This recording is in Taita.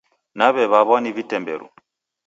Naw'ew'aw'a ni vitemberu.